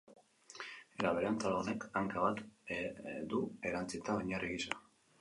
Era berean, taula honek hanka bat du erantsita oinarri gisa.